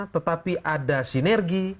tetapi ada sinergi